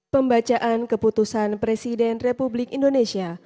pembacaan keputusan presiden republik indonesia